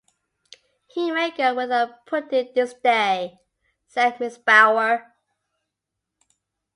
“He may go without pudding this day,” said Mrs. Bower.